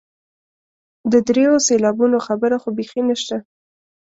د دریو سېلابونو خبره خو بیخي نشته.